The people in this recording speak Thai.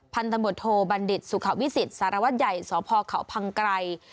พันธมบทโทษบัณฑิตสุขวิสิตศรวรรดิสรวรรค์เขาพังไกร